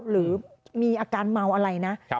หรือมีอาการเมาอะไรนะ